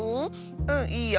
うんいいよ！